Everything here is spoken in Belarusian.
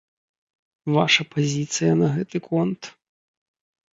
Ваша пазіцыя на гэты конт?